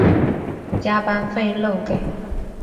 加班费漏给